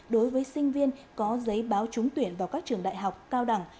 đối với sinh viên có giấy báo trúng tuyển vào các trường đại học cao đẳng